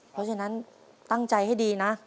เพราะฉะนั้นตั้งใจให้ดีนะ